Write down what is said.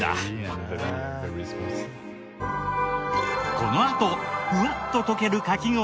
このあとふわっと溶けるかき氷